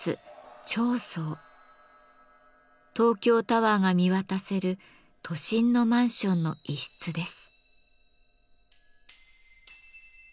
東京タワーが見渡せる都心のマンションの一室です。